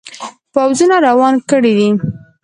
پوځونه روان کړي دي.